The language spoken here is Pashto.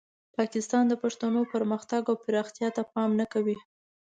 پاکستان د پښتنو پرمختګ او پرمختیا ته پام نه کوي.